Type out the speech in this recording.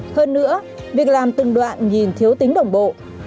hơn nữa việc làm từng đoạn nhìn thiếu tính đồng bộ